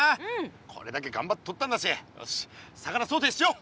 これだけがんばってとったんだしよし魚ソテーしよう！